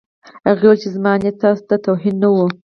هغه وویل چې زما نیت تاسو ته توهین نه و